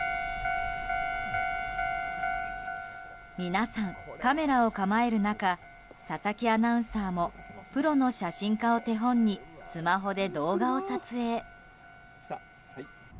皆さん、カメラを構える中佐々木アナウンサーもプロの写真家を手本にスマホで動画を撮影。